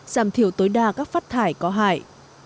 giảm thiểu tối đa các phát thải có hại